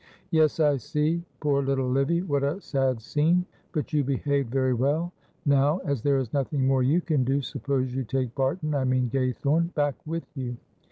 "Yes, I see, poor little Livy. What a sad scene; but you behaved very well. Now, as there is nothing more you can do, suppose you take Barton I mean Gaythorne back with you.